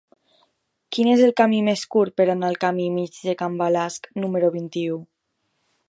Quin és el camí més curt per anar al camí Mig de Can Balasc número vint-i-u?